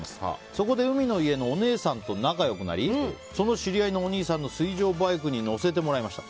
そこで海の家のお姉さんと仲良くなりその知り合いのお兄さんの水上バイクに乗せてもらいました。